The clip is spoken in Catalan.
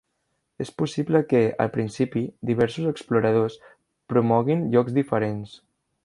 És possible que, al principi, diversos exploradors promoguin llocs diferents.